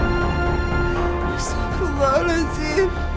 masya allah lazif